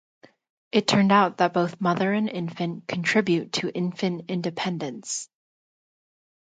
It turned out that both mother and infant contribute to infant independence.